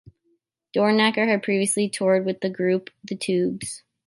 Dornacker had previously toured with the group The Tubes.